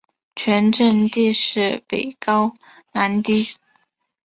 全镇地势北高南低。